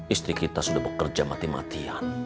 istri kita sudah bekerja mati matian